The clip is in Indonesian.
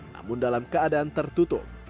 namun dalam keadaan tertutup